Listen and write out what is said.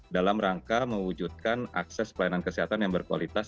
dalam rangka mewujudkan akses pelayanan kesehatan yang berkualitas